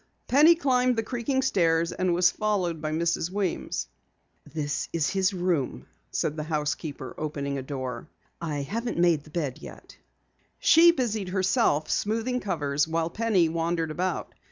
Penny climbed the creaking stairs and was followed by Mrs. Weems. "This is his room," said the housekeeper, opening a door. "I haven't made the bed yet." She busied herself smoothing covers while Penny wandered about.